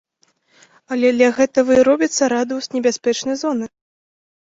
Але для гэтага і робіцца радыус небяспечнай зоны.